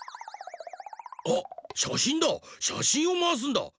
あっしゃしんだしゃしんをまわすんだ。